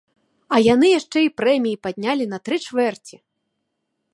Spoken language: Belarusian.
А яны яшчэ і прэміі паднялі на тры чвэрці!